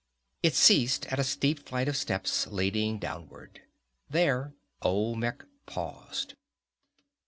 It ceased at a steep flight of steps leading downward. There Olmec paused.